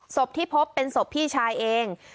ศพที่พบเป็นศพพี่ชายเอง